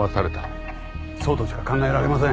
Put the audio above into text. そうとしか考えられません。